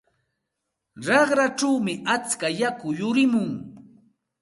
Raqrachawmi atska yaku yurimun.